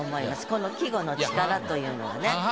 この季語の力というのはね。